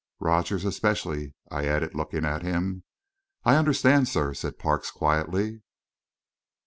"Rogers, especially," I added, looking at him. "I understand, sir," said Parks, quietly.